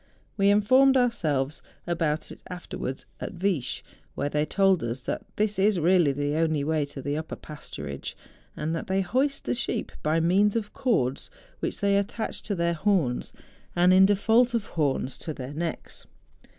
We informed ourselves about it afterwards at Viesch, where they told us that this is really the only way to the upper pasturage; that they hoist the sheep by means of cords, which they attach to their horns, and in default of horns, to their necks.